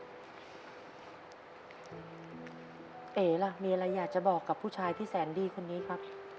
เก๋ล่ะมีอะไรอยากจะบอกกับผู้ชายที่แสนดีคนนี้ครับ